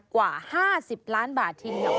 กว่า๕๐ล้านบาททีเดียว